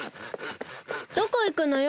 どこいくのよ？